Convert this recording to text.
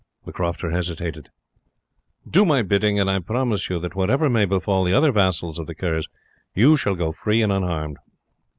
The crofter hesitated. "Do my bidding; and I promise you that whatever may befall the other vassals of the Kerrs, you shall go free and unharmed."